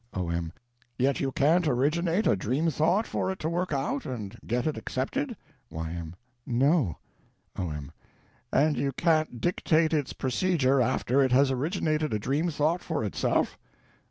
O.M. Yet you can't originate a dream thought for it to work out, and get it accepted? Y.M. No. O.M. And you can't dictate its procedure after it has originated a dream thought for itself?